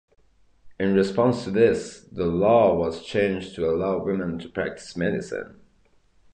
In response to this, the law was changed to allow women to practise medicine.